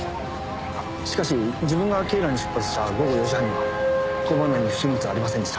あっしかし自分が警らに出発した午後４時半には交番内に不審物はありませんでした。